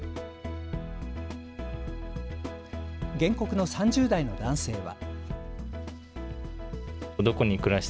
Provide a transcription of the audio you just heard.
原告の３０代の男性は。